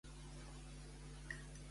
Quan va tornar a la normalitat el temple?